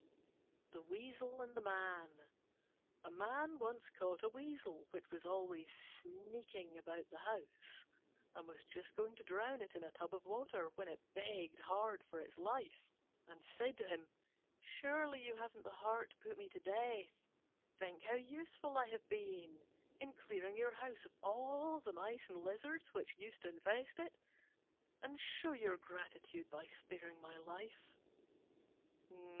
THE WEASEL AND THE MAN A Man once caught a Weasel, which was always sneaking about the house, and was just going to drown it in a tub of water, when it begged hard for its life, and said to him, "Surely you haven't the heart to put me to death? Think how useful I have been in clearing your house of the mice and lizards which used to infest it, and show your gratitude by sparing my life."